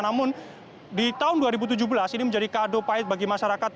namun di tahun dua ribu tujuh belas ini menjadi kado pahit bagi masyarakat